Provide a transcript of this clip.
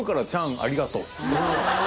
ありがとう。